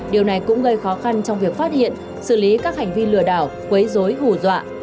điều này cũng gây khó khăn trong việc phát hiện xử lý các hành vi lừa đảo quấy dối hù dọa